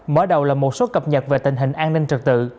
mở đầu là một số cập nhật về tình hình an ninh trật tự